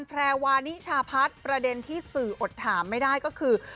แพรวานิชาพัฒน์ประเด็นที่สื่ออดถามไม่ได้ก็คือ